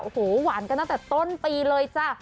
โอ้โหหวานกันตั้งแต่ต้นปีเลยจ้ะ